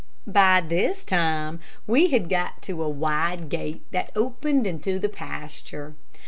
By this time we had got to a wide gate that opened into the pasture.